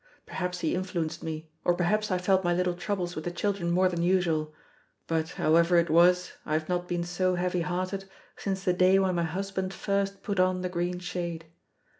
Perhaps he influenced me, or perhaps I felt my little troubles with the children more than usual: but, however it was, I have not been so heavy hearted since the day when my husband first put on the green shade.